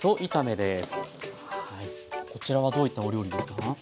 こちらはどういったお料理ですか？